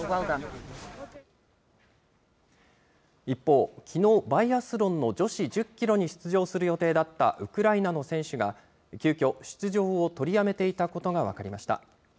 一方、きのうバイアスロンの女子１０キロに出場する予定だったウクライナの選手が、急きょ、出場を取りやめていたことが分かりました。